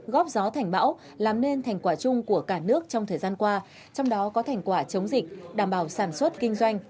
góp gió thành bão làm nên thành quả chung của cả nước trong thời gian qua trong đó có thành quả chống dịch đảm bảo sản xuất kinh doanh